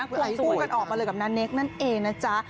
คู่กันออกมาเลยกับนาเนคนั่นเองนะจ๊ะ